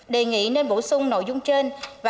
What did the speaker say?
đề nghị nên bổ sung nội dung trên